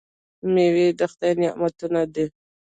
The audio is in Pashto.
میوې د خدای نعمتونه دي.